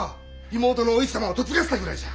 妹のお市様を嫁がせたぐらいじゃ。